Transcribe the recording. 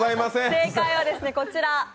正解はこちら。